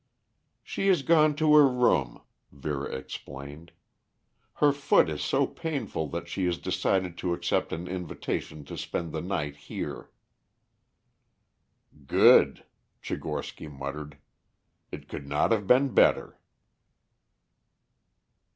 "She has gone to her room," Vera explained. "Her foot is so painful that she has decided to accept an invitation to spend the night here." "Good," Tchigorsky muttered. "It could not have been better."